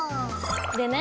でね